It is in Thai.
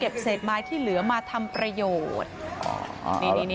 เก็บเสร็จไม้ที่เหลือมาทำประโยชน์